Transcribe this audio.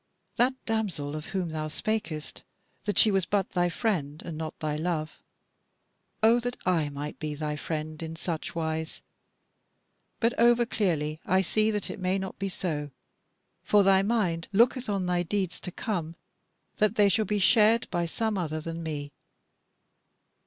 That damsel of whom thou spakest that she was but thy friend, and not thy love O that I might be thy friend in such wise! But over clearly I see that it may not be so. For thy mind looketh on thy deeds to come, that they shall be shared by some other than me.